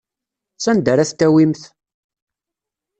Sanda ara t-tawimt?